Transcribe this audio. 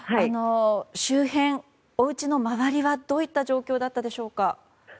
周辺、おうちの周りはどういった状況だったでしょうか。